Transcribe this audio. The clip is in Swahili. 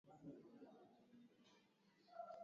walichuana vikali na rais lauren bagbo